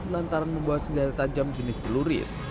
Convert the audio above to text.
lantaran membawa senjata tajam jenis celurit